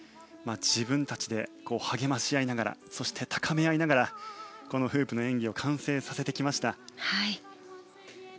自分たちで励まし合いながらそして高め合いながらこのフープの演技を完成させてきました。